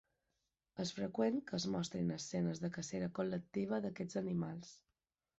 És freqüent que es mostrin escenes de la cacera col·lectiva d'aquests animals.